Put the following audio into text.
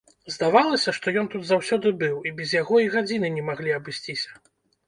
Здавалася, што ён тут заўсёды быў і без яго і гадзіны не маглі абысціся.